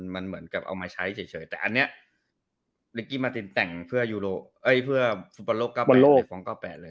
มันเหมือนกับเอามาใช้เฉยแต่อันนี้ลิกกี้มาตินแต่งเพื่อฟัง๙๘